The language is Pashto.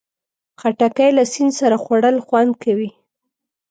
خټکی له سیند سره خوړل خوند کوي.